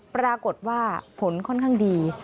ปรากฏว่าผลค่อนข้างดี